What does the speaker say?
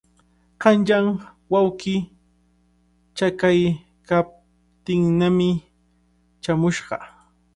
Qanyan wawqii chakaykaptinnami chaamushqa.